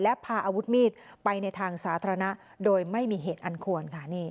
และพาอาวุธมีดไปในทางสาธารณะโดยไม่มีเหตุอันควรค่ะ